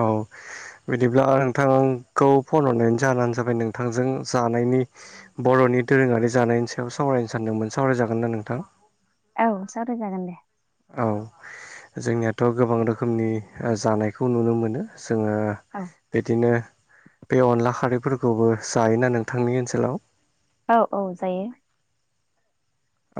औ बिदिब्ला नोंथांखौ फन हरनायनि जाहोनानो जाबाय नोंथांजों जानायनि बर'नि दोरोङारि जानायनि सायाव सावरायनो सानदोंमोन सावरायजागोना नोंथां? औ सावराय जागोन दे। औ जोंनियाथ' गोबां रोखोमनि जानायखौ नुनो मोनो। जोङो औ बिदिनो बे अनला खारैफोरखौबो जायोना नोंथांनि ओनसोलाव औ औ जायो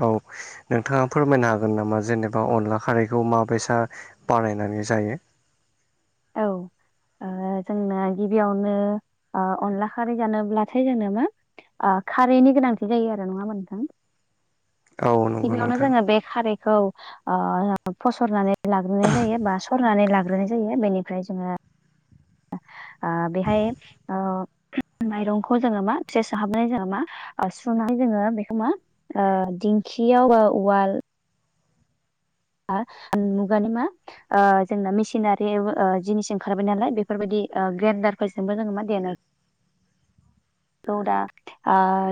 औ नोंथाङा फोरमायनो हागोन नामा जेनेबा अनला खारैखौ माबेसा बानायनानै जायो औ [inaudible] ओ जोंना गिबियावनो ओ अनला खारै जानोब्लाथाय जोनो मा खारैनि गोनांथि जायो आरो नङामोन नोंथां औ नंगौ गिबियावनो नोंथां जोङो बे खारैखौ फसरनानै लाग्रोनाय जायो बा सरनानै लाग हग्रोनाय जायो बेनिफ्राय जोङो बेहाय माइरंखौ जोङो मा फेस हाबनानै जोङो मा आर स्रुनानै जोङो बेखौोमा दिंखियाव बा उवाल आ मुगानि मा जोंना मेसिनारि जिनिस ओंखारबाय नालाय बेफोरबायाददि ग्रेन्दारफोरजोंबो जोङो मा दे द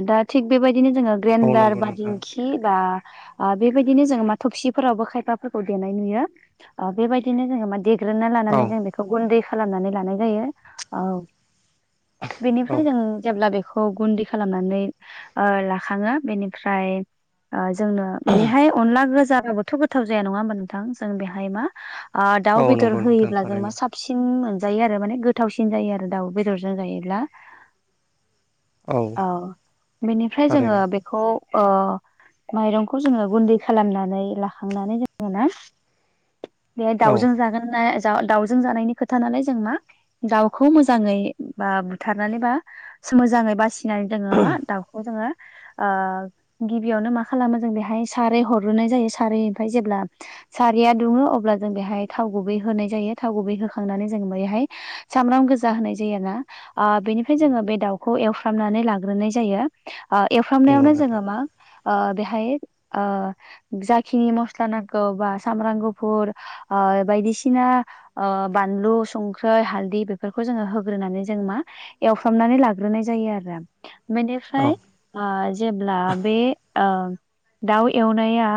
दा थिग बेबायदिनो जोङो औ ग्रेन्डार नंगौ नोंथां बादिंखि बा बेबायदिनो जोङो मा थबसिफोरावबो खायफाफोरखौ देनाय नुयो बेबायदिनो जोङो मा देग्रोनना औ लानानै जों बेखौ गुन्दै खालामनानै लानाय जायो औ औ बेनिफ्राय जों जेब्ला बेखौ गुन्दै खालामनानै लाखाङो बेनिफ्राय जोंनो बेहाय अनला गोजाबाबोथ' गोथाव जाया नङा होमबा नोंथां जों बेहाय मा औ दाउ बेदर नंगौ नोंथां होयोब्ला जों मा थारैनो साफ साबसिन मोनजायो आरो माने गोथावसिन जायो आरो दाउ बेदरजों जायोब्ला औ बेनिफ्राय जोङो थारैनो बे खौ माइरंखौ जोङो गुन्दै खालामनानै लाखांनानै जोङ ना [inaudible] द दाउजों जागोन ना दाउजों जानायनि खोथा नालाय जों मा दाउखौ मोजाङै बा बुथारनानै बा मोजाङै बासिनानै जोङो मा दाउखौ जोङो गिबियावनो मा खालामो जों बेहाय सारै हरग्रोनाय जायो सारैनिफ्राय जेब्ला सारिया दुङो अब्ला जों बेहाय थाव गुबै होनाय जायो थाव गुबै होखांनानै जों बेहाय सामब्राम गोजा होनाय जायो ना बेनि जोङो बे दाउखौ एवफ्रामनानै लाग्रोनाय जायो नंगौ एवफ्रामनायावनो नोंथां जोङो मा बेहाय जाखिनि मस्ला नांगौ बा सामब्राम गुफुर बायदिसिना बानलु संख्र्रि हालदै बेफोरखौ जोङो होग्रोनानै जों मा एवफ्रामनानै लाग ग्रोनाय जायो आरो औ बेनिफ्राय जेब्ला बे दाउ एवनाया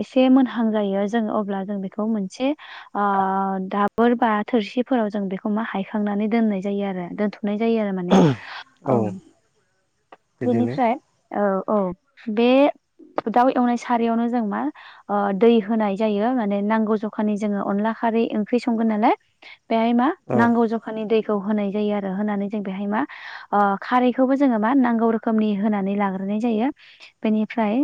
एसे मोनहां जायो जों अब्ला जों बेखौ मोनसे दाबोर बा थोरसिफोराव जों बेखौ मा हायखांनानै दोननाय जायो आरो दोनथ'नाय जायो आरो माने [unintelligible] औ बिदिनो बेनिफ्राय औ औ बे दाउ एवनाय सारयावनो जों मा दै होनाय जायो माने नांगौ जखानि जोङो अनला खारै ओंख्रि संगोन नालाय बेहाय मा औ नांगौ जखानि दैखौ होनाय जायो आरो होनानै जों बेहाय मा खारैखौबो जोङो मा नांगौ रोखोमनि होनानै लाग्रोनाय जायो बेनिफ्राय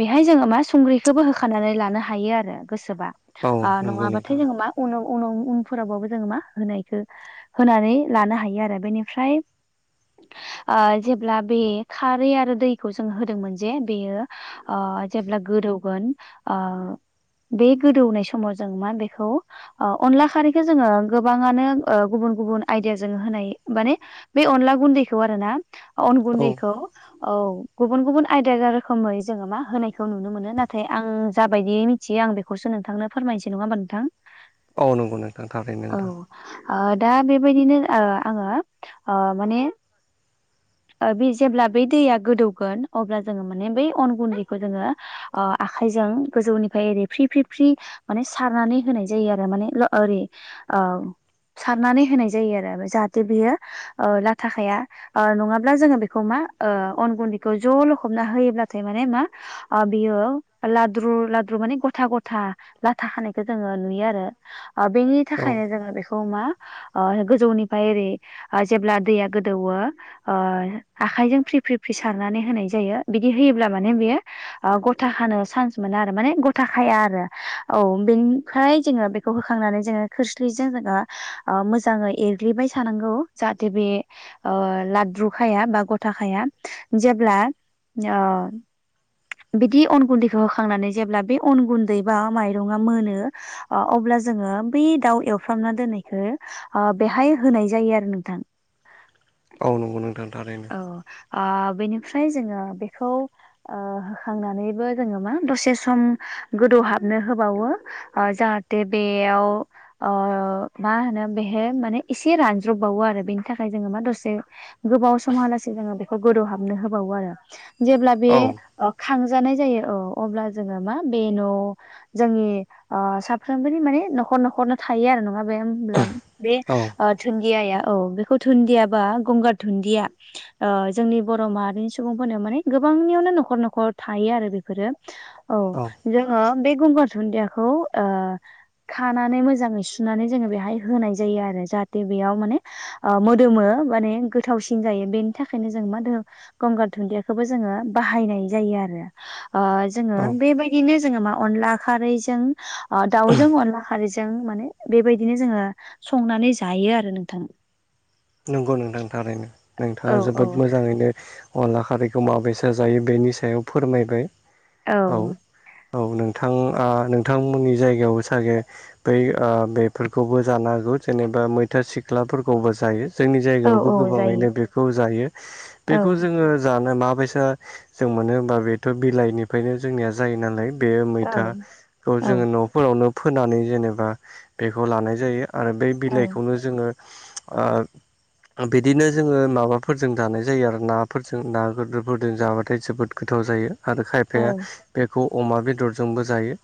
बेहाय जोङो मा संख्रिखौबो होखानानै लानो हायो आरो गोसोबा औ नंगौ नोंथां नङाबाथाय जोङो मा उनाव उनाव उनफोरावाबो जोङो मा होनायखौ होनानै लानो हायो आरो बेनिफ्राय जेब्ला बे खारै आरो दैखौ जों होदोंमोन जे बेयो जेब्ला गोरौगोन बे गोदौनाय समाव जों मा बेखौ अनला खारैखौो जोङो गोबाङानो गुबुन गुबुन आइदिया जोंङो होनाय माने बे अनला गुन्दैखौ आरोना अन औ गुन्दैखौ औ गुबुन गुबुन आयदा रोखोमै जोङो मा होनायखौ नुनो मोनो नाथाय आं जाबायदिथि एसे आं बेखौस नोंथांनो फोरमनोसै नङा होनबा नोंथां औ नंगौ नोंथां थारैनो औ नोंथां दा बेबायदिनो आङो माने बे जेब्ला बै दैया गोदौगोन अब्ला जोङो माने बै अन गुन्दैखौ जोंङो ओ आखाइजों गोजौनिफ्राय एरै फ्रि फ्रि फ्रि माने सारनानै होनाय जायो आरो माने ओरै ओ सारनानै होनाय जायो आरो जाहाथे बेयो ओ लाथाखाया ओ नंङाब्ला जोंङो बेखौ मा ओ अन गुन्दैखौ ज' लखबना होयोब्लाथाय माने मा बियो लाद्रु लाद्रु माने गथा गथा लाथा खानायखौ जोंङो नुयो आरो बेनि औ थाखायनो जोंङो बेखौ मा ओ गोजौनिफ्राय ओरै जेब्ला दैया गोदौवो ओ आखाइजों फ्रि फ्रि फ्रि सारनानै होनाय जायो बिदि होयोब्ला माने बेयो ओ गथा खानो चान्स मोना आरो माने गथ खाया आरो औ बेनिफ्राय जोंङो बे खौ होखांनानै जोंङो खोरस्लिजों जोङो मोजाङै एरग्लिबाय थानांगौ जाहाथे बे ओ लाद्रुखाया बा गथाखाया जेब्ला ओ बिदि अन गुन्दैखौ होखांनानै जेब्ला बे अन गुन्दै बा माइरंङा मोनो अब्ला जोंङो बै दाउ एवफ्रामना दोननायखौ ओ बेहाय होनाय जायो आरो नोंथां औ नंगौ नोंथां थारैनो औ ओ बेनिफ्राय जोंङो बेखौ ओ होखांनानैबो जोंङो मा दसे सम गोदौहाबनो होबावो जाहाथे बेयाव ओ मा होनो बेहाय माने एसे रानज्रबावो आरो बेनि थाखाय जोंङो मा दसे गोबाव समहालासे जोंङो बेखौ गोदौ हाबनो होबावो आरो जेब्ला बे औ अ खांजानाय जायो औ अब्ला जोंङो मा बे न' जोंनि ओ साफ्रोमबोनि माने न'खर न'खरनो थायो आरो नङा बे होमब्ला बे औ दुन्दियाया औ बेखौ दुन्दियाबा गंगार धुनन्दिया ओ जोंनि बर' माहारिनि सुबुंफोरनो माने गोबांनियावनो न'खर न'खर थायो आरो बेफोरो [inaudible] औ जोंङो बे गुंगार दुन्दियाखौ ओ खानानै मोजाङै सुनानै जोङो बेहाय होनाय जायो आरो जाहाथे बेयाव माने मोदोमो माने गोथावसिन जायो बेनि थाखायनो जों मा गंगार दुुनदियाखौबो जोंङो बाहायनाय जायो आरो ओ जोंङो औ बेबायदिनो जोंङो मा अनला खारैजों दाउजों अनला खारैजों माने बेबायदिनो जोंङो संनानै जायो आरो नोंथां नंगौ नोंथां थारैनो औ नोंथांङा औ जोबोद मोजांङैनो अनला खारैखौ माबेसा जायो बेनि सायाव फोरमायबाय औ औ नोंथां ओ नोंथांमोननि जायगायावबो सागे बै ओ बेफोरखौबो जानो हागौ जेनेबा मैथा सिख्लाफोरखौबो जायो। जोंनि औ जायगायावबो औ गोबाङैनो जायो बेखौ जायो औ बेखौ जोंङो जानो माबायसा जों मोनो होमबा बेथ' बिलाइनिफ्रायनो जोंनिया जायो नालाय बे औ मैथाखौ औ जोंङो न'फोरावनो फोनानै जेनेबा बेखौ लानाय जायो। आरो बे औ बिलाइखौनो जोंङो ओ बिदिनो जोङो माबाफोरजों जानाय जायो आरो नाफोरजों ना गोरदोरफोरजों जाबाथाय जोबोद गोथाव जायो। आरो खायफाया औ बेखौ अमा बेदरजोंबो जायो।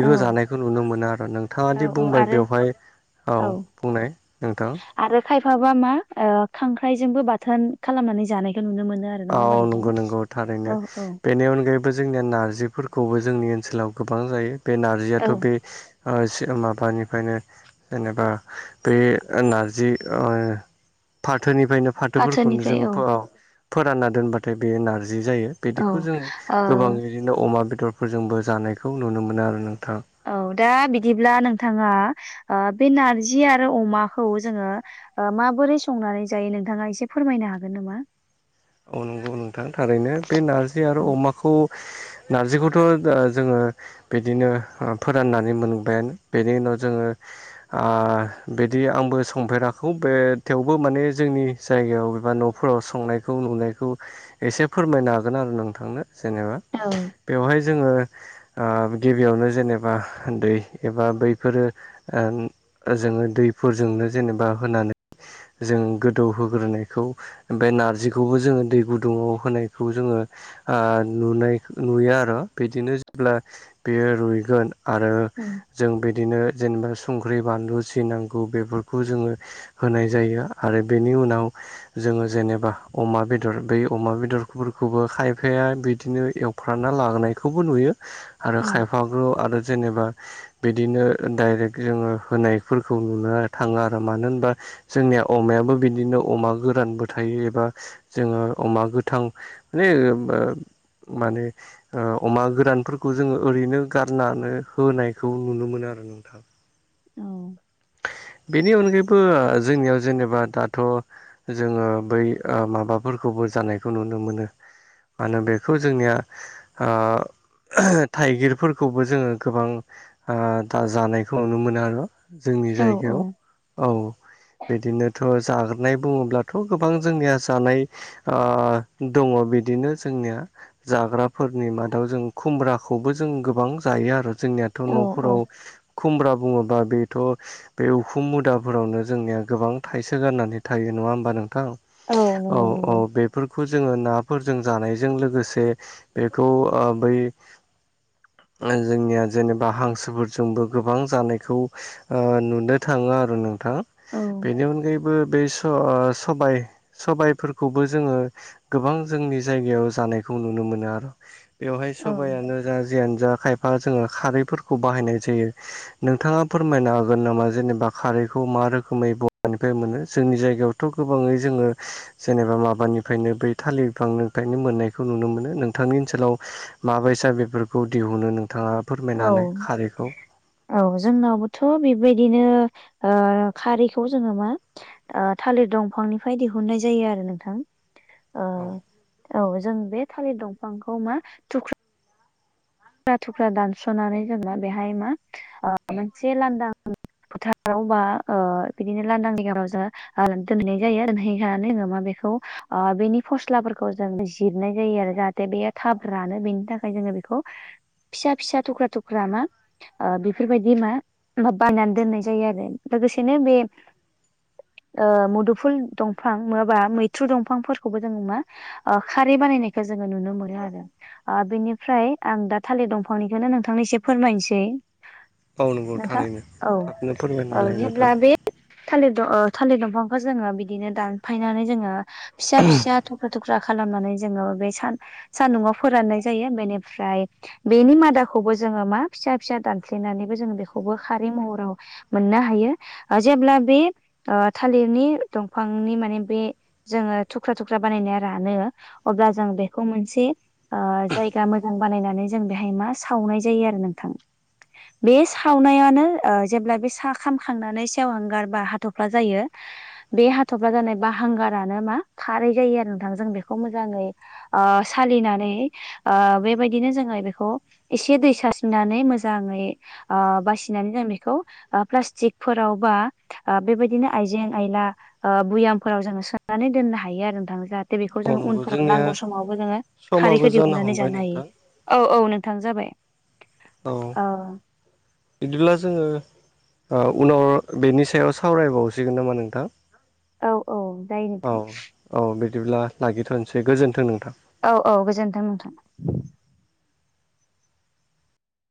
औ जानायखौ नुनो मोनो आरो नोंथाङा दि औ बुंबाय आरो बेवहाय औ बुंनाय नोंथां आरो खायफाबा मा ओ खांख्राइजोंबो बाथोन खालामनानै जानायखौ नुनो मोनो आरो नङा औ होमबा नोंथां? नंगौ नंगौ थारैनो औ औ बेनि अनगायै जोंनिया नारजिफोरखौबो जोंनि ओनसोलाव गोबां जायो बे औ नारजियाथ' बे ओ माबानिफ्रायनो जेनेबा बे नारजि ओ फाथोनिफ्रायनो फाथोफोरखौनो फाथोनिफ्राय औ जोंङो फोरानना दोनबाथाय बेयो नारजि जायो औ बिदिखौ जोंङो ओ गोबां बिदिनो अमा बेदरफोरजोंबो जानायखौ नुनो मोनो आरो नोंथां। औ दा बिदिब्ला नोंथाङा ओ बे नारजि आरो अमाखौ जोङो माबोरै संनानै जायो नोंथाङा एसे फोरमायनो हागोन नामा? औ नंगौ नोंथां थारैनो बे नारजि आरो औ अमाखौ नारजिखौथ' द जोङो बिदिनो ओ फोराननानै मोनबायानो। बेनि उनाव जोङो आ बिदि आंबो संफेराखौ बे थेवबो माने जोंनि जायगायाव एबा न'फोराव संनाय खौ नुनायखौ एसे फोरमायनो हागोन आरो नोंथांनो जेनेबा। औ। बेवहाय जोङो ओ गिबियावनो जेनेबा दै एबा बैफोरो ओं ओजोङो दैफोरजोंनो जेनेबा होनानै जों गोदौहोग्रोनायखौ ओमफाय नारजिखौबो जोङो दै गुदुङाव होनायखौ जोङो आ नुनै नुयो आरो। बिदिनो जेब्ला बेयो रुइगोन आरो उम जों बिदिनो जेनेबा संख्रि बानलु सि नांगौ बेफोरखौ जोङो होनाय जायो आरो बेनि उनाव जोङो जेनेबा अमा बेदर बै अमा बेदरफोरखौबो खायफाया बिदिनो एव फ्राना लागोनायखौबो नुयो आरो औ खायफागो आरो जेनेबा बिदिनो डाइरेक्ट जोङो होनायफोरखौ नुनो थाङो आरो मानो होनबा जोंनिया अमायाबो बिदिनो अमा गोरानबो थायो एबा जोङो अमा गोथां [unintelligible] माने ओ अमा गोरानफोरखौ जोङो ओरैनो गारनानै होनायखौ नुनो मोनो आरो नों थां। औ। बेनि अनगायैबो जोंनियाव जेनेबा दाथ' जोङो बै ओ माबाफोरखौबो जानायखौ नुनो मोनो। मानो बेखौ जोंनिया ओ थाइगिरफोरखौबो जोङो गोबां आ दा जानायखौ नुनो मोनो आरो। जोंनि औ जायगायाव औ। बिदिनोथ' जाग्रोनाय बुङोब्लाथ' गोबां जोंनिया जानाय ओ दङ' बिदिनो जोंनिया। जाग्राफोरनि मादाव जों खुमब्राखौबो जों गोबां जायो आरो। जोंनियाथ' औ औ न'फोराव खुमब्रा बुङोबा बेथ' बे उखुम मुदाफोरावनो जोंनिया गोबां थाइसे गारनानै थायो नङा होमबा नोंथां? औ नंगौ औ नंगौ बेफोरखौ जोङो ना फोरजों जानायजों लोगोसे बेखौ ओ बै ओ जोंनिया जेनेबा हांसोफोरजोंबो गोबां जानायखौ ओ नुनो थाङो आरो नोंथां। औ बेनि अनगायैबो बे स ओ सबाय सबायफोरखौबो जोङो गोबां जोंनि जायगायाव जानायखौ नुनो मोनो आरो। बेवहाय औ सबायानो जा जियानो जा खायफा जोङो खारैफोरखौ बाहायनाय जायो। नोंथाङा फोरमायनो हागोन नामा जेनेबा खारैखौ मा रोखोमै ब हानिफाय मोनो। जोंनि जायगायावथ' गोबाङै जोङो जेनेबा माबानिफ्रायनो बै थालिर बिफांनिफ्रायनो मोननायखौ नुनो मोनो। नों थांनि ओनसोलाव माबायसा बेफोरखौ दिहुनो नोंथाङा फोरमायनानै औ खारैखौ? औ जोंनावबोथ' बेबायदिनो ओ खारैखौ जोङो मा ओ थालिर दंफांनिफ्राय दिहुननाय जायो आरो नोंथां। ओ औ। औ जों बे थालिर दंफांखौ मा थुख्रा थुख्रा थुख्रा दानस'नानै जेनबा बेहाय मा ओ मोनसे लान्दां फोथाराव बा ओ बिदिनो लांन्दां देगारावजा ओ दोनहैनाय जायो दोनहैखांनानै जोंङो मा बेखौ ओ बेनि फस्लाफोरखौ जों जिरनाय जायो आरो जाहाथे बिदैया थाब रानो बेनि थाखाय जोंङो बेखौ फिसा फिसा थख्रा थख्रा मा ओ बेफोरबायदि मा मा बानायनानै दोननाय जायो आरो। लोगोसेनो बे ओ मुदुफुल दंफां नंङाबा मैथ्रु दंफांफोरखौबो जोंङो मा ओ खारै बानायनायखौ जोंङो नुनो मोनो आरो ओ बिनिफ्राय आं दा थालिर दंफांनिखोनो नोंथांनो एसे फोरमायनोसै। औ नंगौ नोंथां थारैनो औ थाबनो औ फोरमायनालाय नोंथां जेब्ला बे थालिर द अ थालिर दंफांखौ जोंङो बिदिनो दानफायनानै जोंङो फिसा फिसा थुख्रा थुख्रा खालामनानै जोंङो बे सान सानदुंआव फोराननाय जायो। बेनि फ्राइत बेनि मादाखौबो जोंङो मा फिसा फिसा दानफ्लेनानैबो जों बेखौबो खारैमहराव मोननो हायो ओ जेब्ला बे ओ थालिरनि दंफांनि माने बे जोंङो थुख्रा थुख्रा बानायनाया रानो अब्ला जों बेखौ मोनसे ओ जायगा मो बानायनानै जों बेहाय मा सावनाय जायो आरो नोंथां। बे सावनायानो ओ जेब्ला बे सा खामखांनानै सेवहांगार बा हाथ'फ्ला जायो। बे हाथ'फ्ला जानाय बा हांगारानो मा खारै जायो आरो नोंथां। जों बेखौ मोजांङै ओ सालिनानै ओ बे बायदिनो जोंङो बेखौ एसे दै सास्रिनानै मोजांङै ओ बासिनानै जों बेखौ ओ प्लास्टिकफोराव बा ओ बेबायदिनो आइजें आयला ओ भुयामफोराव जोंङो सोनानै दोननो हायो आरो नोंथां जाहाथे दि बेखौ औ जोंङो नंगौ उनफोराव जोंनिया नांगौ समावबो जोंङो समाबो खारैखौ दिहुननानै हमबाय जानो हायो। नोंथां औ औ नोंथां जाबाय। औ बिदिब्ला जोंङो ओ उनाव बेनि सायाव सावरायबावसिगोन नामा नोंथां? औ औ जायो औ नोथां। औ बिदिब्ला लाखिथ'नोसै गोजोन्थों नोंथां। औ औ गोजोन्थों नोंथां।